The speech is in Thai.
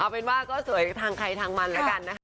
เอาเป็นว่าก็สวยทางใครทางมันแล้วกันนะคะ